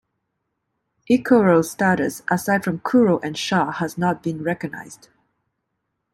Icoro's status, aside from Kuro and Shah, has not been recognized.